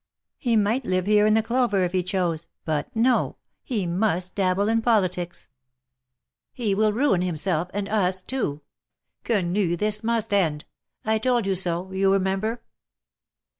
He might live here in clover if he chose, but no! he must dabble in politics. He will ruin himself, and us too. Quenu, this must end. I told you so, you remember."